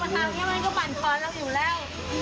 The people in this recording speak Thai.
ไม่ใช่ตอนนี้มันก็ปั่นทอนแล้วอยู่แล้ว